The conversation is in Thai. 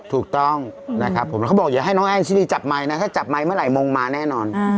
ถูกต้องนะครับผมแล้วเขาบอกอย่าให้น้องแอนชิลีจับไมค์นะถ้าจับไมค์เมื่อไหมงมาแน่นอน